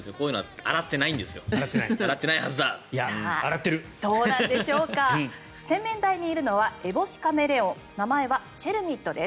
洗面台にいるのはエボシカメレオン名前はチェルミットです。